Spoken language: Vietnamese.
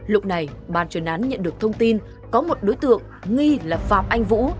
lúc này ban chuyên án nhận được thông tin có một đối tượng nghi là phạm anh vũ